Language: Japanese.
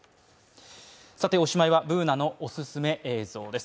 おしまいはＢｏｏｎａのオススメ映像です。